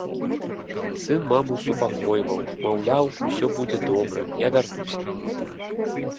Сын маму супакойваў, маўляў, усё будзе добра, я вярнуся.